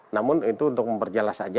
namun itu untuk memperjelas